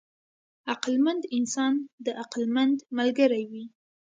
عقلمند انسان د عقلمند ملګری وي.